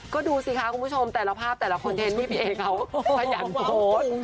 ก็ดูสิคะคุณผู้ชมแต่ละภาพแต่ละคอนเทนต์ที่พี่เอเขาขยันโพสต์